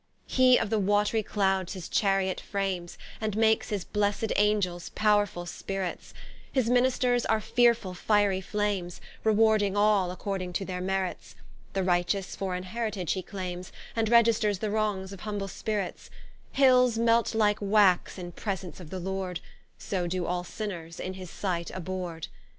He of the watry Cloudes his Chariot frames, And makes his blessed Angels powrefull Spirits, His Ministers are fearefull fiery flames, Rewarding all according to their merits; The Righteous for an heritage he claimes, And registers the wrongs of humble spirits: Hills melt like wax, in presence of the Lord, So do all sinners, in his sight abhorr'd.